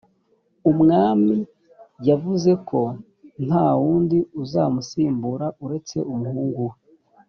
umwami yavuzeko ntawundi uzamusimbura uretse umuhungu we